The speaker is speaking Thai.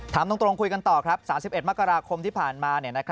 ถามตรงคุยกันต่อครับ๓๑มกราคมที่ผ่านมา